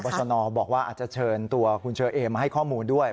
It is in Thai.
เพราะว่าพบนบอกว่าอาจจะเชิญตัวคุณเชอเอมมาให้ข้อมูลด้วย